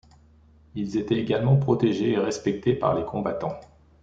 Ils étaient également protégés et respectés par les combattants.